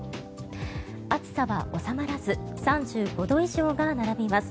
暑さは収まらず３５度以上が並びます。